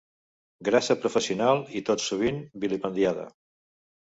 Grassa professional i tot sovint vilipendiada.